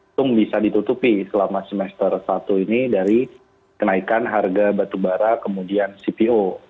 itu bisa ditutupi selama semester satu ini dari kenaikan harga batubara kemudian cpo